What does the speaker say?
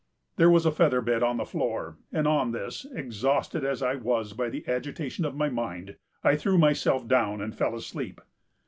"There was a feather bed on the floor; and on this, exhausted as I was by the agitation of my mind, I threw myself down and fell asleep.